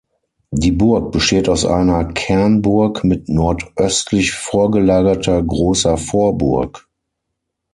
Die Burg besteht aus einer Kernburg mit nordöstlich vorgelagerter großer Vorburg.